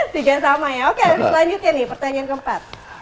tiga sama ya oke terus lanjutin nih pertanyaan keempat